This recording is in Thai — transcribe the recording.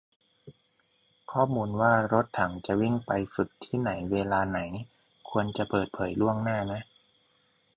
ข้อมูลว่ารถถังจะวิ่งไปฝึกที่ไหนเวลาไหน ควรจะเปิดเผยล่วงหน้านะ